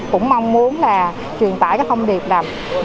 cũng mong muốn là truyền tải cái thông điệp này